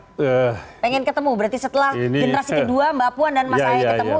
pengen ketemu berarti setelah generasi kedua mbak puan dan mas ae ketemu